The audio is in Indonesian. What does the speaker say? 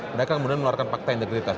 mereka kemudian mengeluarkan fakta integritas